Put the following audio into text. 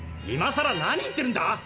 今さら何言ってるんだ